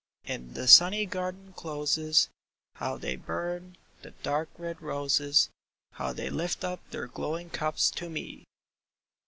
*' In the sunny garden closes, How they burn, the dark red roses, How they lift up their glowing cups to me